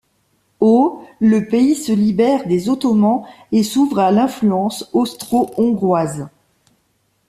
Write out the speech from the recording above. Au le pays se libère des Ottomans et s’ouvre à l'influence austro-hongroise.